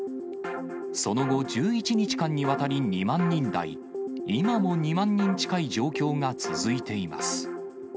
その後１１日間にわたり２万人台、今も２万人近い状況が続いています。